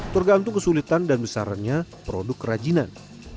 tergantung kesulitan dan besarannya produk kerajinan